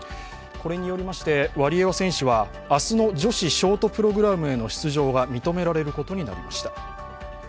これによりましてワリエワ選手は、明日の女子ショートプログラムへの出場が認められることになりました。